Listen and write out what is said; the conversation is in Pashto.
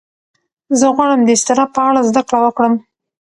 زه غواړم د اضطراب په اړه زده کړه وکړم.